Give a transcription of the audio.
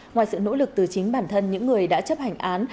ngoài sự nỗ lực từ chính bản thân những người đã chấp hành án